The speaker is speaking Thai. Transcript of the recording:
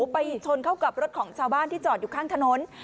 ไปชนเข้ากับรถของชาวบ้านที่จอดอยู่ข้างถนน